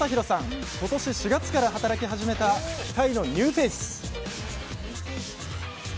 今年４月から働き始めた期待のニューフェース！